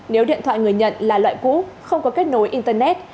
nếu điện thoại người nhận là loại cũ không có kết nối internet